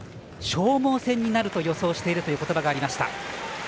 消耗戦になると予想しているということばがありました。